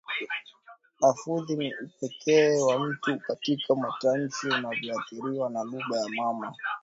Lafudhi ni upekee wa mtu katika matamshi unaoathiriwa na lugha ya mama, mazingira yake ya kijiografia au kiwango ujuzi wake wa lugha.